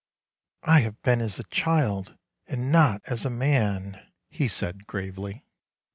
" I have been as a child, and not as a man," he said gravely.